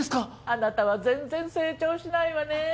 あなたは全然成長しないわねえ